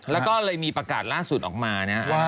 แล้วก็มีประกาศล่าสุดออกมา